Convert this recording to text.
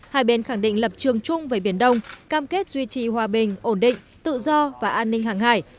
hai bên khẳng định lập trường chung về biển đông cam kết duy trì hòa bình ổn định tự do và an ninh hàng hải